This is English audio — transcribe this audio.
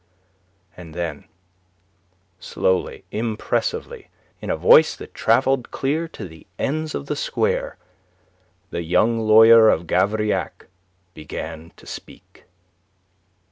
And then, slowly, impressively, in a voice that travelled clear to the ends of the square, the young lawyer of Gavrillac began to speak.